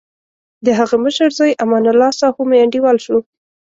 دهغه مشر زوی امان الله ساهو مې انډیوال شو.